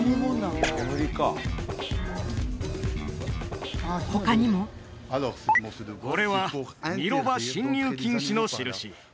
煙か他にもこれは荷ロバ進入禁止の印